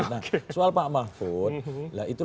nah soal pak mahfud nah itu